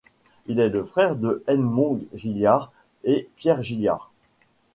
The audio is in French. Il est le frère de Edmond Gilliard et Pierre Gilliard.